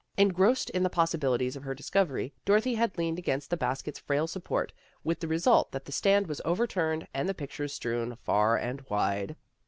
Engrossed in the possi bilities of her discovery Dorothy had leaned against the basket's frail support, with the re sult that the stand was overturned and the pictures strewn far and wide.